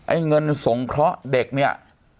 ไอ้เงินสงเคราะห์เด็กเนี่ย